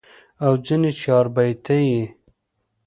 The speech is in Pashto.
او ځني چاربيتې ئې